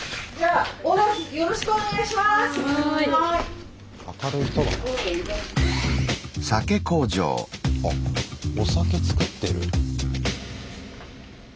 あお酒造ってる。